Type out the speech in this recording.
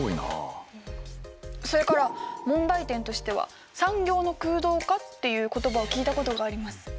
それから問題点としては産業の空洞化っていう言葉を聞いたことがあります。